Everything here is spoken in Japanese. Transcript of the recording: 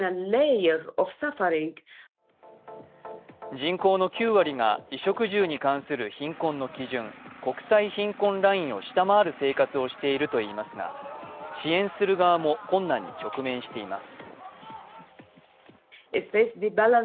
人口の９割が衣食住に関する貧困の基準、国際貧困ラインを下回る生活をしているといいますが支援する側も困難に直面しています。